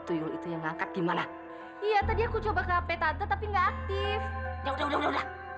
tuyul itu yang ngangkat gimana iya tadi aku coba ke hp tante tapi nggak aktif udah udah udah udah